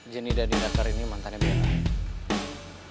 jennie dan indra char ini mantannya bela